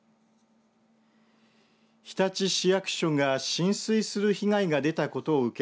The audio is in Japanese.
日立市役所が浸水する被害が出たことを受け